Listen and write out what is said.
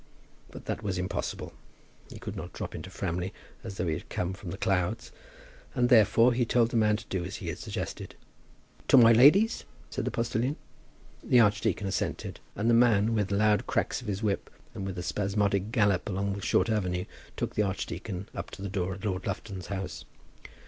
But that was impossible. He could not drop into Framley as though he had come from the clouds, and, therefore, he told the man to do as he had suggested. "To my lady's?" said the postilion. The archdeacon assented, and the man, with loud cracks of his whip, and with a spasmodic gallop along the short avenue, took the archdeacon up to the door of Lord Lufton's house.